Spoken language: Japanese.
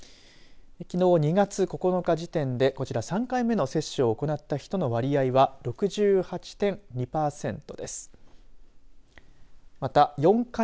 きのう、２月９日時点で３回目の接種を行った人の割合は６８．２パーセント。